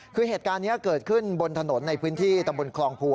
คือเหตุการณ์นี้เกิดขึ้นบนถนนในพื้นที่ตำบลคลองภู